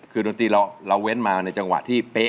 คือดนตรีเราเว้นมาในจังหวะที่เป๊ะ